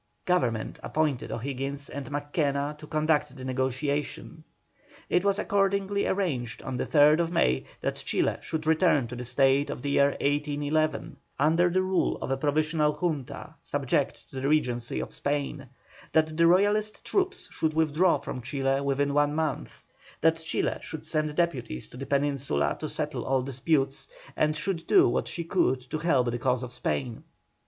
Government appointed O'Higgins and Mackenna to conduct the negotiation. It was accordingly arranged on the 3rd May that Chile should return to the state of the year 1811, under the rule of a provisional Junta subject to the Regency of Spain; that the Royalist troops should withdraw from Chile within one month; that Chile should send deputies to the Peninsula to settle all disputes, and should do what she could to help the cause of Spain.